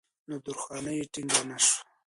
نو درخانۍ ټينګه نۀ شوه